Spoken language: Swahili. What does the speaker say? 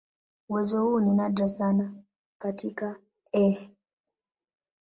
Uwezo huu ni nadra sana katika "E.